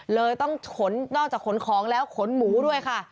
เลยต้องขนนอกจากขนของแล้วขนหมูด้วยค่ะ